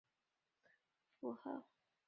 它在国际音标中的符号是。